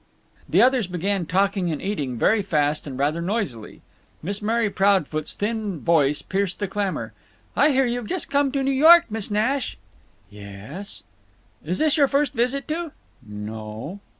The others began talking and eating very fast and rather noisily. Miss Mary Proudfoot's thin voice pierced the clamor: "I hear you have just come to New York, Miss Nash." "Yes." "Is this your first visit to—" "No."